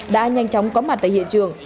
đã nhanh chóng có mặt tại hiện trường